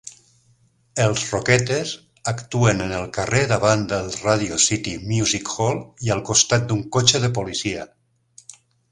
Els Rockettes actuen en el carrer davant del Radio City Music Hall i al costat d'un cotxe de policia